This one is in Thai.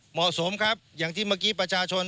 เหมาะสมครับอย่างที่เมื่อกี้ประชาชน